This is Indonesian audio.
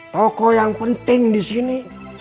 toko yang penting disini